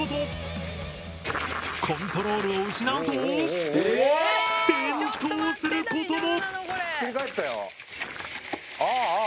コントロールを失うと転倒することも。